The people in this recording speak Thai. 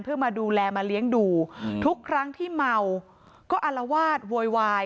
เพื่อมาดูแลมาเลี้ยงดูทุกครั้งที่เมาก็อารวาสโวยวาย